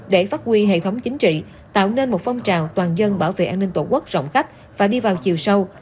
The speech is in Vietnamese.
để phát huy hệ thống chính trị tạo nên một phong trào toàn dân bảo vệ an ninh tổ quốc rộng khắp và đi vào chiều sâu